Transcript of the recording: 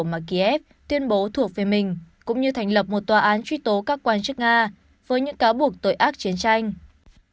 mà kiev tuyên bố thuộc về mình cũng như thành lập một tòa án truy tố các quan chức nga với những cáo buộc tội ác chiến tranh